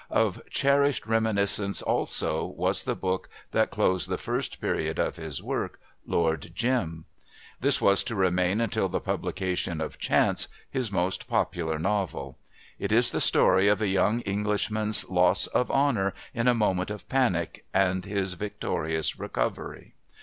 Of cherished reminiscence also was the book that closed the first period of his work, Lord Jim. This was to remain, until the publication of Chance, his most popular novel. It is the story of a young Englishman's loss of honour in a moment of panic and his victorious recovery.